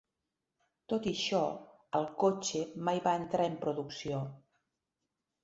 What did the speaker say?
Tot i això, el cotxe mai va entrar en producció.